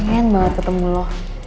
gue tuh pengen banget ketemu lo